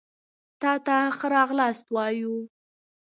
تاته ښه راغلاست وايو